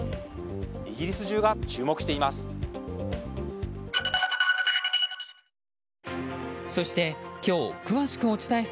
イギリス中が注目しています。